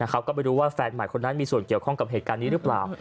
ก็ไม่รู้ว่าแฟนใหม่คนนั้นมีส่วนเกี่ยวข้องกับเหตุการณ์นี้หรือเปล่า